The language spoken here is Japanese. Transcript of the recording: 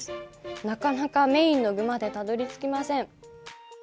なかなかメインの具までたどり着きません。